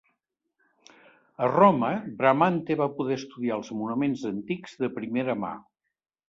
A Roma, Bramante va poder estudiar els monuments antics de primera mà.